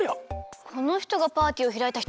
このひとがパーティーをひらいたひとかな？